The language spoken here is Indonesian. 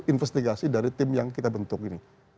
investigasi dari tim yang kita bentuk ini